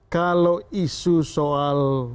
kalau isu soal